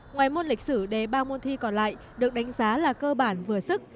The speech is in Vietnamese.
ngoài môn lịch sử đề ba môn thi còn lại được đánh giá là cơ bản vừa sức